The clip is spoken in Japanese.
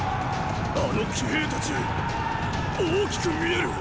あの騎兵たち大きく見える！